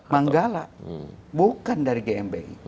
manggala bukan dari gmbi